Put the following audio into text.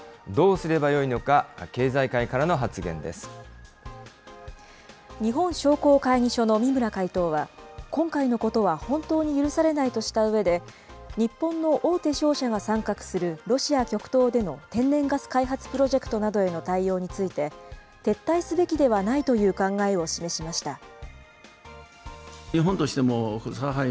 どうすればよいのか、経済界から日本商工会議所の三村会頭は、今回のことは本当に許されないとしたうえで、日本の大手商社が参画する、ロシア極東での天然ガス開発プロジェクトなどへの対応について、撤退すべきではないという考えを示しました。